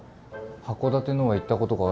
函館のは行ったことがあるんで。